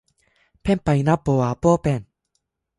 ペンパイナッポーアッポーペン